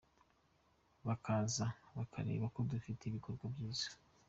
Bakaza bakareba ko dufite ibikorwa byiza.